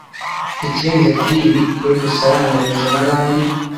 Ikirenze kuri ibi, iyo dusaranganyije n’abandi